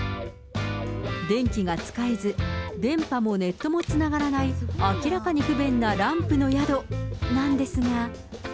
電気が使えず、電波もネットもつながらない、明らかに不便なランプの宿なんですが。